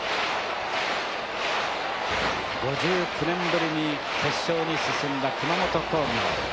５９年ぶりに決勝に進んだ熊本工業。